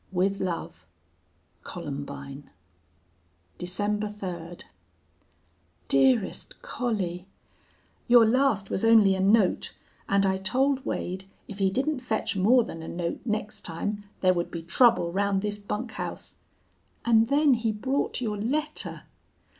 "With love, "COLUMBINE." "December 3d. "DEAREST COLLIE, Your last was only a note, and I told Wade if he didn't fetch more than a note next time there would be trouble round this bunk house. And then he brought your letter!